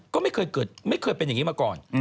ก็ไม่เคยเป็นอย่างนี้มาก่อน